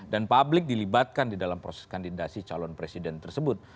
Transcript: dan publik dilibatkan di dalam proses kandidasi calon presiden tersebut